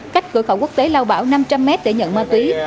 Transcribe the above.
cách cửa khẩu quốc tế lao bảo năm trăm linh mét để nhận ma túy